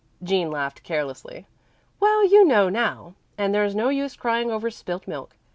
Jean laughed carelessly. "Well, you know now, and there's no use crying over spilt milk.